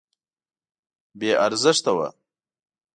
بې ارزښته وه.